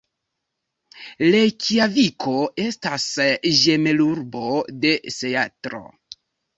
Rejkjaviko estas ĝemelurbo de Seatlo.